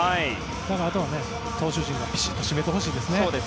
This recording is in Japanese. だから、あとは投手陣がぴしっと締めてほしいですね。